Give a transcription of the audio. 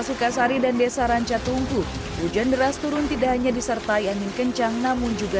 sukasari dan desa rancatungku hujan deras turun tidak hanya disertai angin kencang namun juga